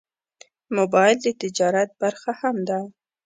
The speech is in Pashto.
موبایل د تجارت برخه هم ده.